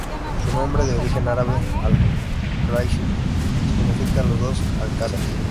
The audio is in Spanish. Su nombre de origen árabe "al-qasrayn" significa "los dos alcázares".